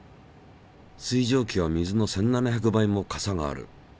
水蒸気は水の１，７００倍もかさがある。